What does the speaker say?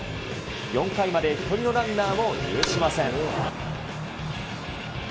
４回まで１人のランナーも許しません。